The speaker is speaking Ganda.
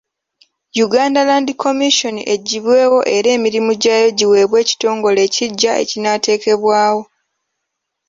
Uganda Land Commission eggyibwewo era emirimu gyayo giweebwe ekitongole ekiggya ekinaateekebwawo.